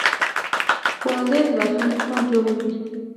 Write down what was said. ښوونځی د راتلونکي پلان جوړوي